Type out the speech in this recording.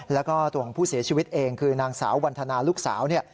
แล้วก็ตัวของผู้เสียชีวิตเองคือนางสาววันธนาลูกสาวเนี่ย